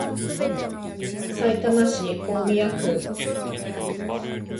さいたま市大宮区